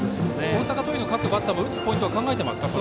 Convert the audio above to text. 大阪桐蔭の各バッターも打つポイントは考えてますか。